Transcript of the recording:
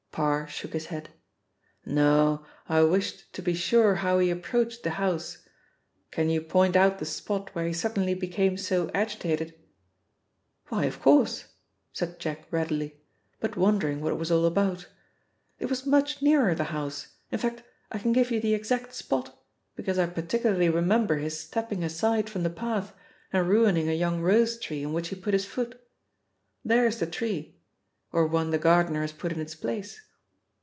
Parr shook his head. "No, I wished to be sure how he approached the house. Can you point out the spot where he suddenly became so agitated?" "Why, of course," said Jack readily, but wondering what it was all about. "It was much nearer the house; in fact, I can give you the exact spot, because I particularly remember his stepping aside from the path and ruining a young rose tree on which he put his foot. There is the tree or one the gardener has put in its place."